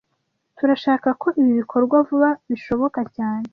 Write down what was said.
Turashaka ko ibi bikorwa vuba bishoboka cyane